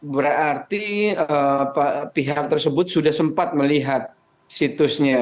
berarti pihak tersebut sudah sempat melihat situsnya